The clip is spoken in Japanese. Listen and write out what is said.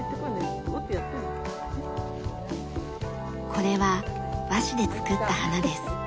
これは和紙で作った花です。